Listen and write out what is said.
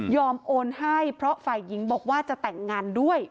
โอนให้เพราะฝ่ายหญิงบอกว่าจะแต่งงานด้วย